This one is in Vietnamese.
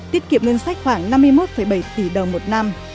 tiết kiệm ngân sách khoảng năm mươi một bảy tỷ đồng một năm